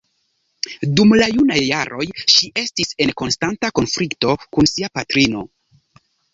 Dum la junaj jaroj ŝi estis en konstanta konflikto kun sia patrino.